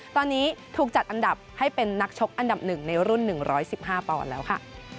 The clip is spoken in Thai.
ตอนนี้ถูกจัดอันดับให้เป็นนักชกอันดับ๑ในรุ่น๑๑๕ปอนด์แล้วค่ะ